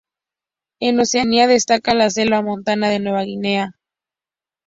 En Oceanía destaca la selva montana de Nueva Guinea.